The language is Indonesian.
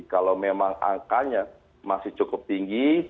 kalau memang angkanya masih cukup tinggi